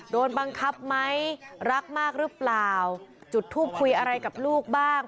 โดนบังคับไหมรักมากหรือเปล่าจุดทูปคุยอะไรกับลูกบ้าง